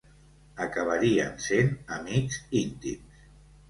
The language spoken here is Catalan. Acabarien sent amics íntims.